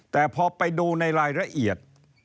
แต่พอไปดูในรายละเอียด